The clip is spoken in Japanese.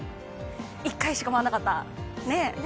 １回しか回らなかったね。